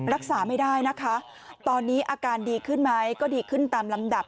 รักษาไม่ได้นะคะตอนนี้อาการดีขึ้นไหมก็ดีขึ้นตามลำดับ